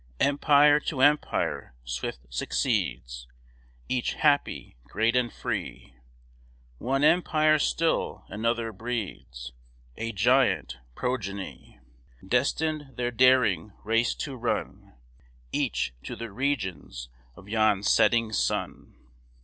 Empire to empire swift succeeds, Each happy, great, and free; One empire still another breeds, A giant progeny, Destined their daring race to run, Each to the regions of yon setting sun.